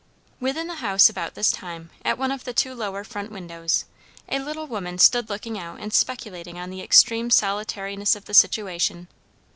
Within the house about this time, at one of the two lower front windows, a little woman stood looking out and speculating on the extreme solitariness of the situation.